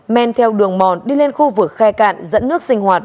men theo đường mòn đi lên khu vực khe cạn dẫn nước sinh hoạt